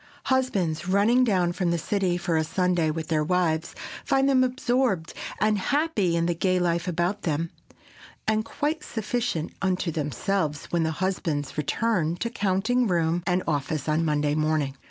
Husbands, running down from the city for a Sunday with their wives, find them absorbed and happy in the gay life about them, and quite sufficient unto themselves when the husbands return to counting room and office on Monday morning.